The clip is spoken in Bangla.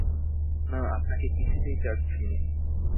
না, আপনাকে কিছুতেই ছাড়ছি নে।